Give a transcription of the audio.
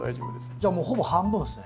じゃあもうほぼ半分ですね。